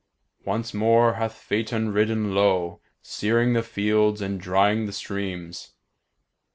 Once more hath Phaeton ridden low, searing the fields and drying the streams.